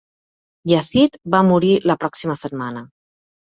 Yazid va morir la pròxima setmana.